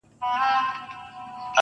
ما د دريم ژوند وه اروا ته سجده وکړه.